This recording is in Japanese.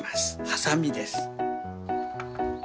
はさみです。